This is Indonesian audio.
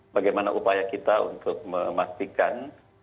bagaimana upaya kita untuk memastikan